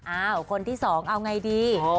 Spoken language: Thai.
อ้าวคนที่สองเอาไงดี